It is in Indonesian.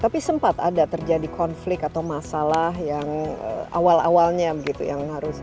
tapi sempat ada terjadi konflik atau masalah yang awal awalnya begitu yang harus